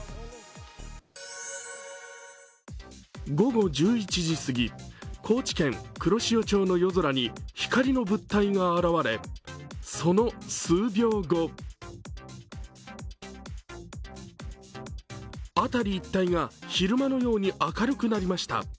午後１１時すぎ、高知県黒潮町の夜空に光の物体が現れ、その数秒後辺り一帯が昼間のように明るくなりました。